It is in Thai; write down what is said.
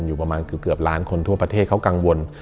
อยู่ประมาณเกือบล้านคนทั่วประเทศเขากังวล